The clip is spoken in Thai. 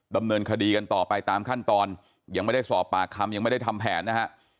ดำเนินคดีกันต่อไปตามขั้นตอนยังไม่ได้สอบปากคำยังไม่ได้ทำแผนนะฮะ